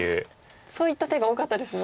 そういった手が多かったですもんね。